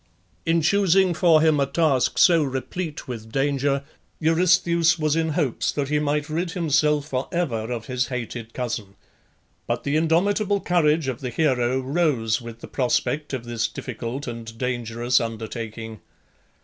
In choosing for him a task so replete with danger, Eurystheus was in hopes that he might rid himself for ever of his hated cousin. But the indomitable courage of the hero rose with the prospect of this difficult and dangerous undertaking.